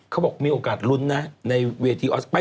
เขาบอกมีโอกาสลุ้นนะในเวทีออสไป